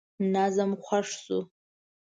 نظم خوښ شو.